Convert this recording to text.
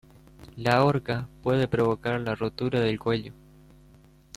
La horca puede provocar la rotura del cuello.